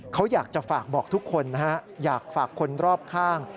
เขาอยากจะฝากบอกทุกคนนะฮะอยากฝากคนรอบข้าง